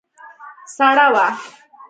سړه وه.